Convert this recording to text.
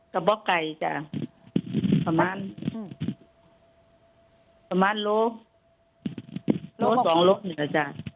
ก็บอกไกลจ้ะประมาณลูก๒ลูกหนึ่งล่ะจ้ะ